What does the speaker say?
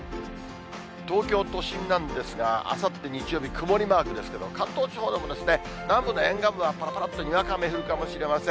東京都心なんですが、あさって日曜日、曇りマークですけど、関東地方でも、南部の沿岸部はぱらぱらっとにわか雨降るかもしれません。